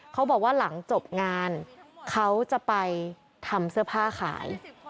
เขาบอกว่าหลังจบงานเขาจะไปทำเสื้อผ้าขาย